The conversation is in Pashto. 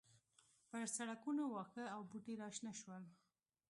پر سړکونو واښه او بوټي راشنه شول.